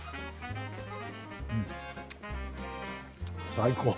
最高。